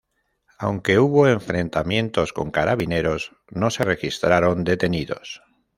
Aunque hubo enfrentamientos con Carabineros, no se registraron detenidos.